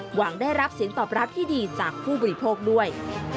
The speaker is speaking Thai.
หวังได้รับเสียงตอบรับที่ดีจากผู้บริโภคด้วย